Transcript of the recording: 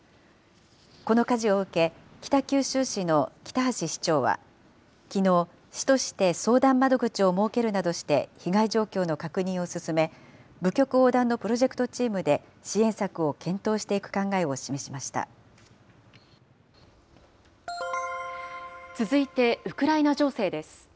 この火事を受け、北九州市の北橋市長はきのう、市として相談窓口を設けるなどして、被害状況の確認を進め、部局横断のプロジェクトチームで支援策を検討していく考えを示し続いてウクライナ情勢です。